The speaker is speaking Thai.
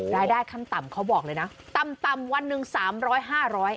รายได้ขั้นต่ำเขาบอกเลยนะต่ำวันหนึ่ง๓๐๐๕๐๐บาท